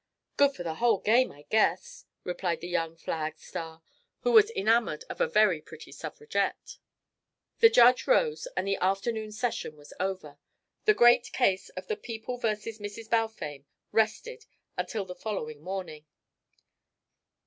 "Good for the whole game, I guess," replied the young Flag star, who was enamoured of a very pretty suffragette. The Judge rose, and the afternoon session was over. The great case of The People vs. Mrs. Balfame rested until the following morning.